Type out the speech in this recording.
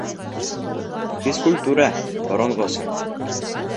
Фискултүрә, боронғоса.